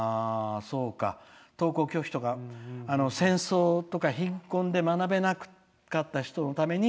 登校拒否とか戦争とか貧困で学べなかった人のために。